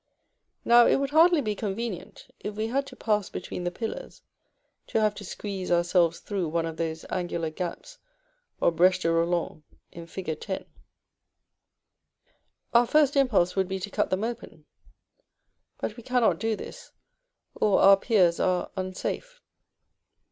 Now it would hardly be convenient, if we had to pass between the pillars, to have to squeeze ourselves through one of those angular gaps or brêches de Roland in Fig. X. Our first impulse would be to cut them open; but we cannot do this, or our piers are unsafe.